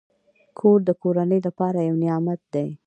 کور د کورنۍ لپاره یو نعمت دی.